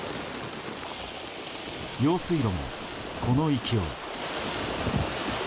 用水路も、この勢い。